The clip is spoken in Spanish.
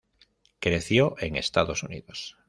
Creció en Estados Unidos.